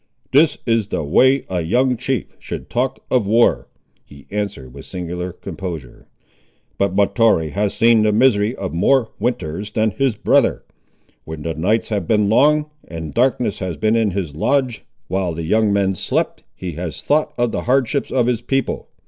"This is the way a young chief should talk of war," he answered with singular composure; "but Mahtoree has seen the misery of more winters than his brother. When the nights have been long, and darkness has been in his lodge, while the young men slept, he has thought of the hardships of his people.